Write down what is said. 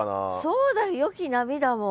そうだよ「良き波」だもん。